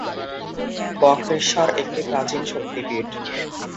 বক্রেশ্বর একটি প্রাচীন শক্তিপীঠ।